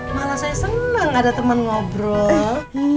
malah saya seneng ada temen ngobrol